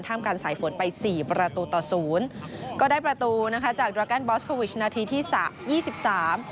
การสายฝนไปสี่ประตูต่อศูนย์ก็ได้ประตูนะคะจากดราแกนบอสโควิชนาทีที่สามยี่สิบสาม